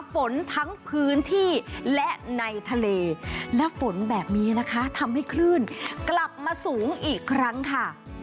ฝนทั้งพื้นที่และในทะเลและฝนแบบนี้นะคะทำให้คลื่นกลับมาสูงอีกครั้งค่ะ